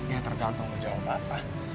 ya tergantung lo jawab apa